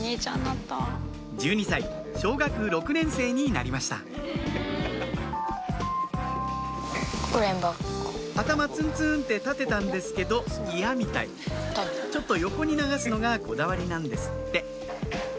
１２歳小学６年生になりました頭ツンツンって立てたんですけど嫌みたいちょっと横に流すのがこだわりなんですって